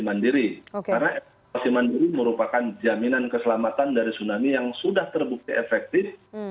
karena evakuasi mandiri merupakan jaminan keselamatan dari tsunami yang sudah terbukti efektif